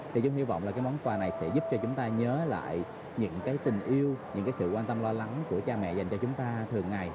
thì chúng hy vọng là cái món quà này sẽ giúp cho chúng ta nhớ lại những cái tình yêu những cái sự quan tâm lo lắng của cha mẹ dành cho chúng ta thường ngày